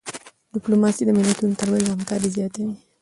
ډيپلوماسي د ملتونو ترمنځ همکاري زیاتوي.